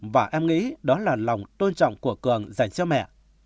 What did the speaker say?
và em nghĩ đó là lòng tôn trọng của cường dành cho mẹ